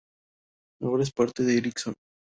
Ahora es parte de Ericsson.